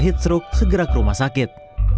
heat stroke segera ke rumah sakit